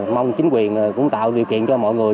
mong chính quyền cũng tạo điều kiện cho mọi người